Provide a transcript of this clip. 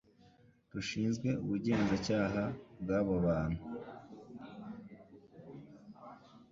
rushinzwe Ubugenzacyaha bwabo bantu